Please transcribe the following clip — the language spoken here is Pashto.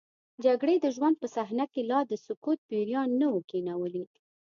جګړې د ژوند په صحنه کې لا د سکوت پیریان نه وو کینولي.